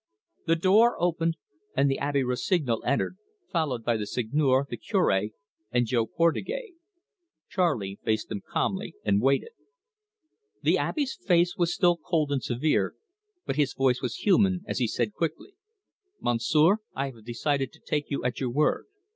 The door opened, and the Abbe Rossignol entered, followed by the Seigneur, the Cure, and Jo Portugais. Charley faced them calmly, and waited. The Abbe's face was still cold and severe, but his voice was human as he said quickly: "Monsieur, I have decided to take you at your word.